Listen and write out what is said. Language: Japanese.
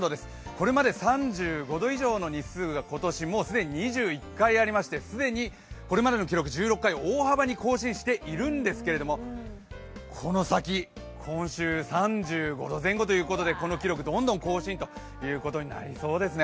これまで３５度以上の日数が今年既に２１回ありまして既にこれまでの記録１６回を大幅に更新しているんですけれども、この先、今週３５度前後ということでこの記録どんどん更新ということになりそうですね。